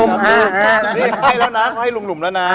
เขาให้ลุงหนุ่มแล้วน่ะ